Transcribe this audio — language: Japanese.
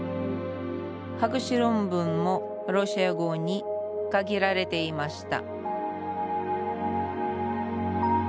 博士論文もロシア語に限られていました